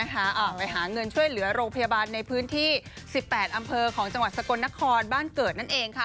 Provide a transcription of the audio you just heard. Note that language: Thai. ไปหาเงินช่วยเหลือโรงพยาบาลในพื้นที่๑๘อำเภอของจังหวัดสกลนครบ้านเกิดนั่นเองค่ะ